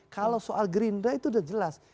kalau soal gerindra itu sudah jelas